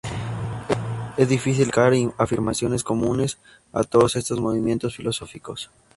Es difícil identificar afirmaciones comunes a todos estos movimientos filosóficos.